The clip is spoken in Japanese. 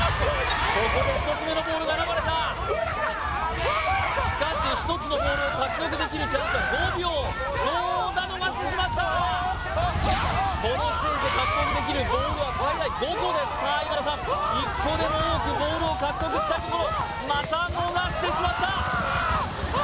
ここで１つ目のボールが現れたしかし１つのボールを獲得できるチャンスは５秒どうだ逃してしまったこのステージで獲得できるボールは最大５個ですさあ今田さん１個でも多くボールを獲得したいところまた逃してしまったわあ！